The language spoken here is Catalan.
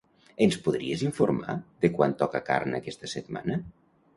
Ens podries informar de quan toca carn aquesta setmana?